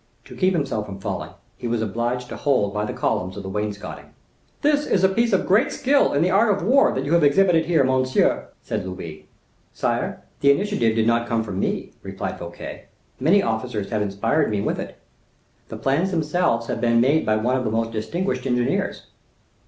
To keep himself from falling, he was obliged to hold by the columns of the wainscoting. "This is a piece of great skill in the art of war that you have exhibited here, monsieur," said Louis. "Sire, the initiative did not come from me," replied Fouquet; "many officers have inspired me with it. The plans themselves have been made by one of the most distinguished engineers."